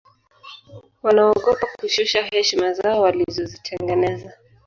wanaogopa kushusha heshima zao walizozitengeneza